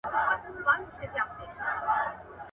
هغه زوی ته توصيه کوي چي خپل خوب وروڼو ته ونه وايي.